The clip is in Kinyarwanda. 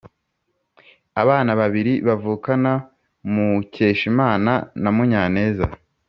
abana babiri bavukana mukeshimana na munyaneza,